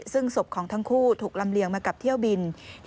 ซึ่งศพของทั้งคู่ถูกลำเลียงมากับเที่ยวบิน